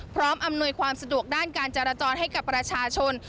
อำนวยความสะดวกด้านการจราจรให้กับประชาชน